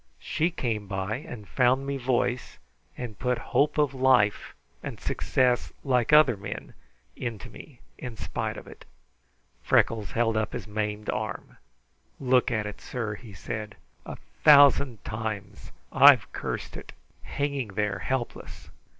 She came by, and found me voice, and put hope of life and success like other men into me in spite of it." Freckles held up his maimed arm. "Look at it, sir!" he said. "A thousand times I've cursed it, hanging there helpless.